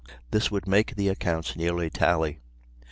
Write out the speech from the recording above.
This would make the accounts nearly tally.